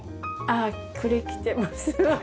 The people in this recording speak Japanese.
ああこれ着てます。